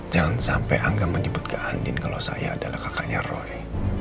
jangan sampai angga menyebut ke andin kalau saya adalah kakaknya roy